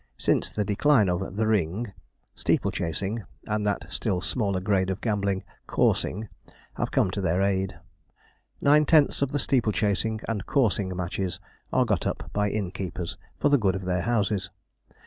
Since the decline of 'the ring,' steeple chasing, and that still smaller grade of gambling coursing, have come to their aid. Nine tenths of the steeple chasing and coursing matches are got up by inn keepers, for the good of their houses.